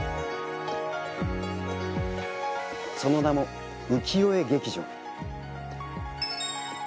その名も浮世絵劇場。